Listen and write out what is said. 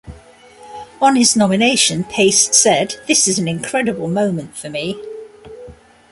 On his nomination, Pace said, This is an incredible moment for me.